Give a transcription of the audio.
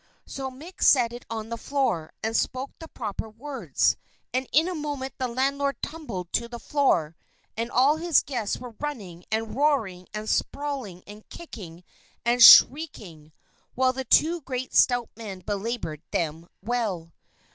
So Mick set it on the floor, and spoke the proper words; and in a moment the landlord tumbled to the floor, and all his guests were running, and roaring, and sprawling, and kicking, and shrieking, while the two great, stout men belaboured them well.